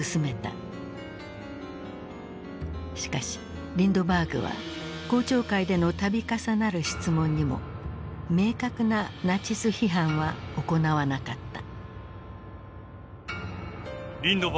しかしリンドバーグは公聴会での度重なる質問にも明確なナチス批判は行わなかった。